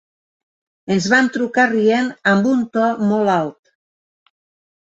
Ens van trucar rient amb un to molt alt.